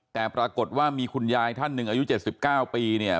แต่ปรากฏว่ามีคุณยายท่านหนึ่งอายุ๗๙ปีเนี่ย